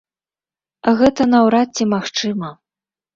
Гэта наўрад ці магчыма.